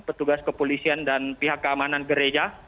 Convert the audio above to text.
petugas kepolisian dan pihak keamanan gereja